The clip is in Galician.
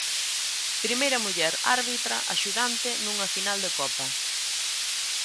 Primeira muller árbitra axudante nunha final de Copa.